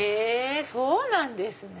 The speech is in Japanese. そうなんですね！